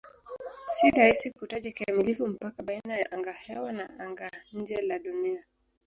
Si rahisi kutaja kikamilifu mpaka baina ya angahewa na anga-nje la Dunia.